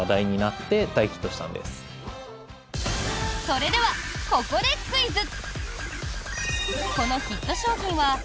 それでは、ここでクイズ。